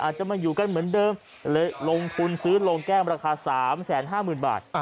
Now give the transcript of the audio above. จะมาอยู่กันเหมือนเดิมเลยลงทุนซื้อโรงแก้มราคา๓๕๐๐๐บาท